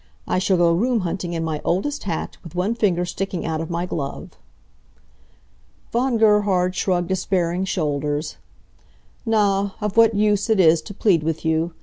I shall go room hunting in my oldest hat, with one finger sticking out of my glove." Von Gerhard shrugged despairing shoulders. "Na, of what use is it to plead with you.